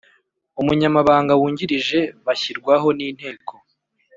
Umunyamabanga Wungirije bashyirwaho n Inteko